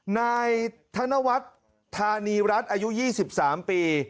นายธนวัฒน์ธานีรัฐอายุ๒๓ปี